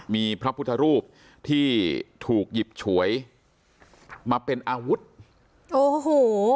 มีพระพุทธรูปที่ถูกหยิบฉวยมาเป็นอาวุธโอ้โห